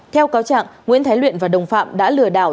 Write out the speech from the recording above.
theo cáo trạng nguyễn thái luyện và đồng phạm đã lừa đảo